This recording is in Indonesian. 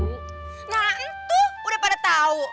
nah itu udah pada tahu